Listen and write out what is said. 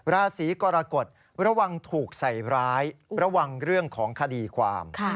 ราศีกรกฎระวังถูกใส่ร้ายระวังเรื่องของคดีความ